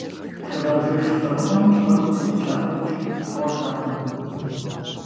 Шыгъажэш цӀэрыӀуэм лӀыр теплъэкъукӀ хъуртэкъым.